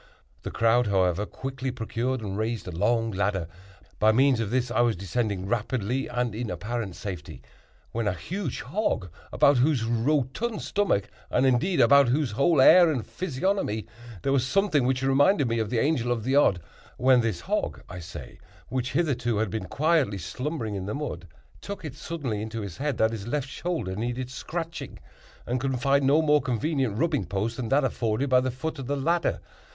The crowd, however, quickly procured and raised a long ladder. By means of this I was descending rapidly, and in apparent safety, when a huge hog, about whose rotund stomach, and indeed about whose whole air and physiognomy, there was something which reminded me of the Angel of the Odd,—when this hog, I say, which hitherto had been quietly slumbering in the mud, took it suddenly into his head that his left shoulder needed scratching, and could find no more convenient rubbing post than that afforded by the foot of the ladder.